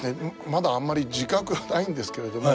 まだあんまり自覚がないんですけれども